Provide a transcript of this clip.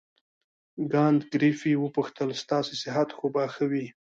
کانت ګریفي وپوښتل ستاسې صحت خو به ښه وي.